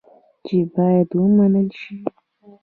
چې باید ومنل شي.